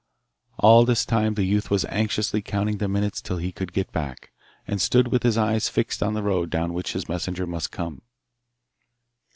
All this time the youth was anxiously counting the minutes till he could get back, and stood with his eyes fixed on the road down which his messenger must come.